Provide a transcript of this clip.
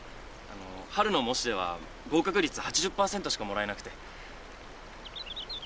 春の模試では合格率８０パーセントしかもらえなくて。